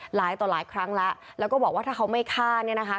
หลายต่อหลายครั้งแล้วแล้วก็บอกว่าถ้าเขาไม่ฆ่าเนี่ยนะคะ